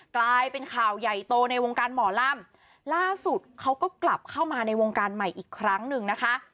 กลายเป็นข่าวใหญ่โตในวงการหมอลำล่าสุดเขาก็กลับเข้ามาในวงการใหม่อีกครั้งหนึ่งนะคะ